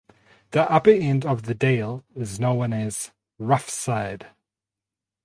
The upper end of the dale is known as Rough Side.